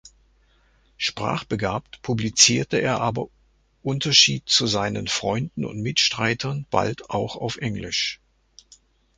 Sprachbegabt publizierte er aber Unterschied zu seinen Freunden und Mitstreitern bald auch auf Englisch.